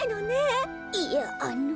いやあの。